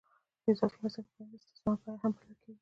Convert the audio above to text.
د اضافي ارزښت بیه د استثمار بیه هم بلل کېږي